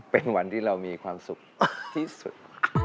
เป็นวันที่เรามีความสุขที่สุด